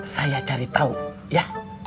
saya cari tahu ya